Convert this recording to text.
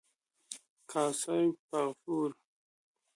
کاسه فغفور